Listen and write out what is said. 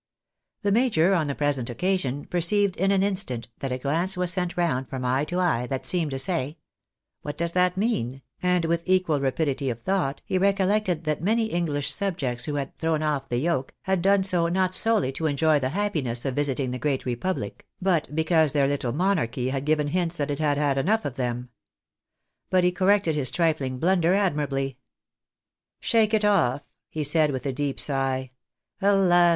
The major, on the present occasion, perceived in an instant, that a glance was sent round from eye to eye, that seemed to say, " What does that mean ?" and with equal rapidity of thought, he recollected that many English subjects who had " thrown off the yoke," had done so not solely to enjoy the happiness of visiting the great republic, but because their little monarchy have given hints that it had had enough of them. But he corrected this trifling blunder admirably. " Shake it off !" he said, with a deep sigh. " Alas